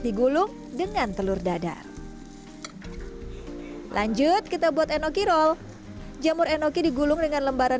digulung dengan telur dadar lanjut kita buat enoki roll jamur enoki digulung dengan lembaran